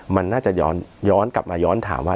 มันน่าจะย้อนกลับมาย้อนถามว่า